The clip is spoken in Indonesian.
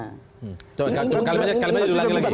kalimannya diulang lagi